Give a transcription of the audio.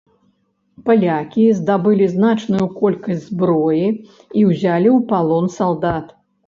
Палякі здабылі значную колькасць зброі і ўзялі ў палон салдат.